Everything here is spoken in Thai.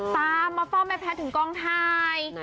ตามมาฟ่อแม่แพทย์ถึงกองไทย